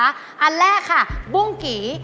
อันแรกค่ะบุ้งกี่